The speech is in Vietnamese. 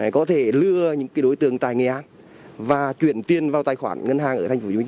có thể lừa những đối tượng tài nghề án và chuyển tiền vào tài khoản ngân hàng ở thành phố hồ chí minh